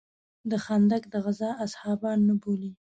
د خندق د غزا اصحابان نه بولې.